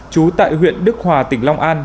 trú tại huyện đức hòa tỉnh long an